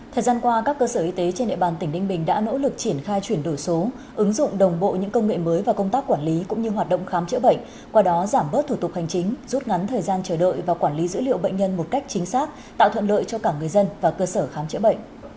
thời gian qua các cơ sở y tế trên địa bàn tỉnh ninh bình đã nỗ lực triển khai chuyển đổi số ứng dụng đồng bộ những công nghệ mới và công tác quản lý cũng như hoạt động khám chữa bệnh qua đó giảm bớt thủ tục hành chính rút ngắn thời gian chờ đợi và quản lý dữ liệu bệnh nhân một cách chính xác tạo thuận lợi cho cả người dân và cơ sở khám chữa bệnh